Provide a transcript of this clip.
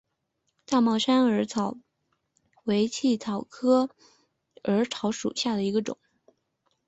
大帽山耳草为茜草科耳草属下的一个种。